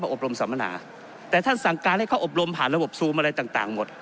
อบรมสัมมนาแต่ท่านสั่งการให้เขาอบรมผ่านระบบซูมอะไรต่างหมด